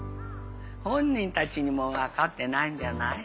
本人たちにも分かってないんじゃない？